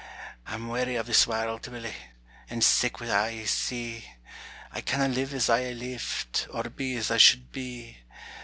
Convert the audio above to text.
I'm weary o' this warld, Willie, And sick wi' a' I see, I canna live as I ha'e lived, Or be as I should be.